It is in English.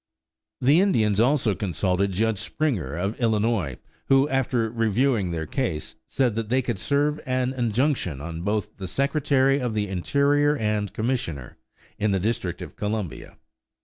The Indians also consulted Judge Springer of Illinois, who, after reviewing their case, said that they could serve an injunction on both the Secretary of the Interior and Commissioner, in the District of Columbia.